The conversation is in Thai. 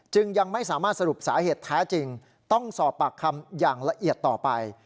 ยังไม่สามารถสรุปสาเหตุแท้จริงต้องสอบปากคำอย่างละเอียดต่อไป